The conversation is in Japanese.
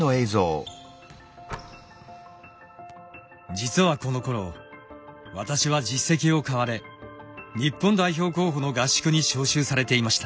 実はこのころ私は実績を買われ日本代表候補の合宿に招集されていました。